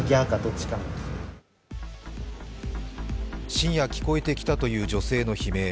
深夜、聞こえてきたという女性の悲鳴。